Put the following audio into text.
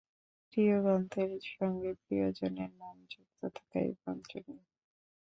প্রিয় গ্রন্থের সঙ্গে প্রিয়জনের নাম যুক্ত থাকাই বাঞ্ছনীয়।